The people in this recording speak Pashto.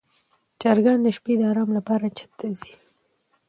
چرګان د شپې د آرام لپاره چت ته ځي.